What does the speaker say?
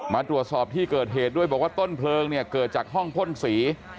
มาตรวจสอบที่เกิดเหตุด้วยบอกว่าต้นเพลิงเนี่ยเกิดจากห้องพ่นสี